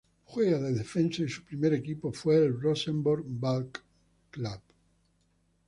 Juega de defensa y su primer equipo fue el Rosenborg Ballklub.